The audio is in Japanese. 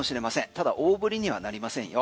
ただ大降りにはなりませんよ。